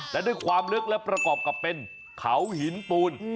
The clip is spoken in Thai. และด้วยความลึกและประกอบกับเป็นเขาหินปูน